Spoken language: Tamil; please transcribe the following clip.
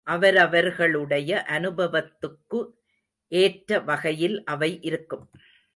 அவரவர்களுடைய அனுபவத்துக்கு ஏற்ற வகையில் அவை இருக்கும்.